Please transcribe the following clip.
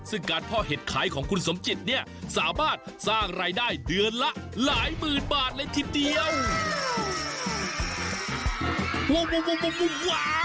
ซึ่งการพ่อเห็ดขายของคุณสมจิตเนี่ยสามารถสร้างรายได้เดือนละหลายหมื่นบาทเลยทีเดียว